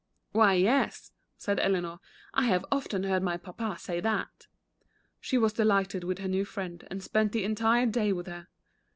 "Why, yes," said Eleanor, "I have often heard my Papa say that." She was delighted with her new friend and spent the entire day with her.